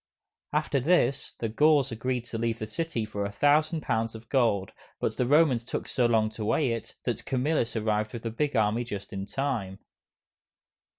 After this, the Gauls agreed to leave the city for a thousand pounds of gold, but the Romans took so long to weigh it, that Camillus arrived with a big army just in time.